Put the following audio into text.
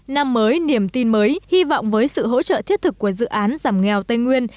năm mới niềm tin mới hy vọng với sự hỗ trợ thiết thực của dự án giảm nghèo tây nguyên